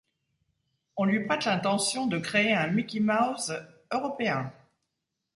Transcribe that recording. On lui prête l'intention de créer un Mickey Mouse européen.